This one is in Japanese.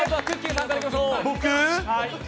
さんからいきましょう。